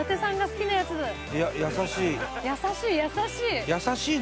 優しい優しい！